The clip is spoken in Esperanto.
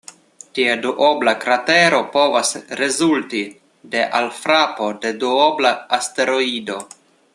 Tia duobla kratero povas rezulti de alfrapo de duobla asteroido.